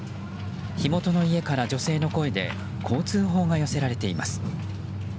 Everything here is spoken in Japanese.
火元の家から女性の声でこう通報が寄せられています。